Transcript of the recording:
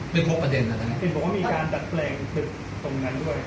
ไม่พบประเด็นอะไรนะเห็นบอกว่ามีการดัดแปลงตึกตรงนั้นด้วย